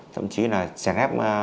thậm chí là trẻ nét